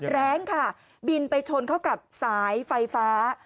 แรงค่ะบินไปชนเข้ากับสายไฟฟ้า